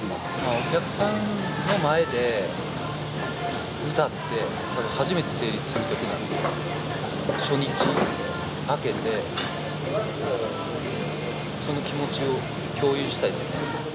お客さんの前で歌って、初めて成立する曲なんで、初日明けて、その気持ちを共有したいですね。